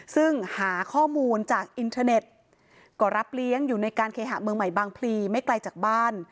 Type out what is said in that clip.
ซึ่งหาข้อมูลจากอินเทอร์เน็ตก็รับเลี้ยงอยู่ในการเคหะเมืองใหม่บางพลีไม่ไกลจากบ้าน